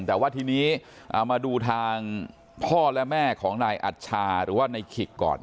แต่ว่าทีนี้มาดูทางพ่อและแม่ของนายอัชชาหรือว่าในขิกก่อน